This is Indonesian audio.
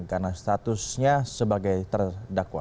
karena statusnya sebagai terdakwa